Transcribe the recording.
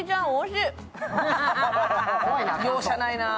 容赦ないな。